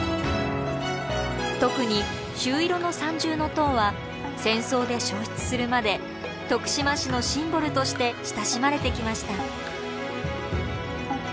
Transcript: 特に朱色の三重塔は戦争で焼失するまで徳島市のシンボルとして親しまれてきました。